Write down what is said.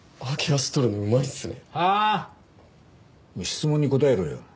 質問に答えろよ。